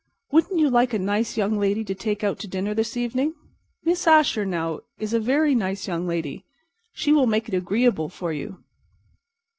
Wouldn't you like a nice young lady to take out to dinner this evening? Miss Asher, now, is a very nice young lady; she will make it agreeable for you."